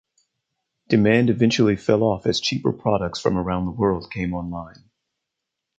Demand eventually fell off as cheaper products from around the world came online.